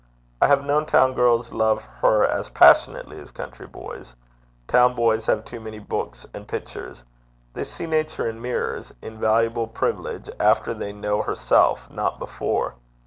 I have known town girls love her as passionately as country boys. Town boys have too many books and pictures. They see Nature in mirrors invaluable privilege after they know herself, not before.